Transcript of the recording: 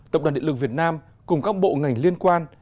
tập đoàn điện lực việt nam cùng các bộ ngành liên quan